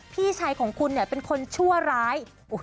พี่ชายของคุณเป็นคนชั่วร้าย